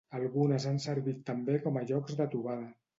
Algunes han servit també com a llocs de trobada.